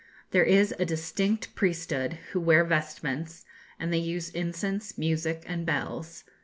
There is a distinct priesthood who wear vestments, and they use incense, music, and bells.